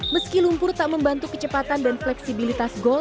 meski lumpur tak membantu kecepatan dan fleksibilitas gol